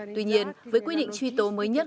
tuy nhiên với quy định truy tố mới nhất